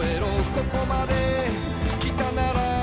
「ここまで来たなら」